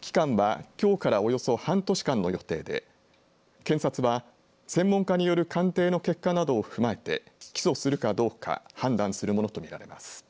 期間はきょうからおよそ半年間の予定で検察は、専門家による鑑定の結果などを踏まえて起訴するかどうか判断するものと見られます。